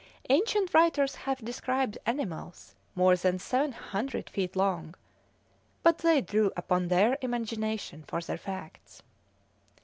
Ancient writers have described animals more than 700 feet long, but they drew upon their imagination for their facts.